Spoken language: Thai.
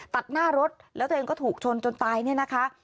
ตัดหน้ารถแล้วตัวเองก็ถูกชนจนตายเนี่ยนะคะ